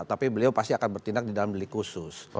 tapi beliau pasti akan bertindak di dalam delik khusus